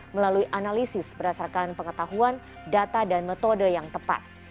melalui analisis berdasarkan pengetahuan data dan metode yang tepat